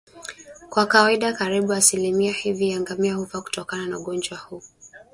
Kwa kawaida karibu asilimia hivi ya ngamia hufa kutokana na ugonjwa huu